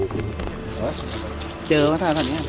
ตอนนี้เจออะไรบ้างครับ